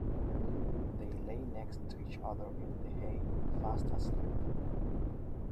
They lay next to each other in the hay, fast asleep.